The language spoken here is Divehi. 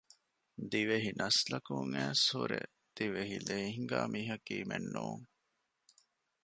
ދިވެހި ނަސްލަކުން އައިސްހުރި ދިވެހި ލޭހިނގާ މީހަކީމެއް ނޫން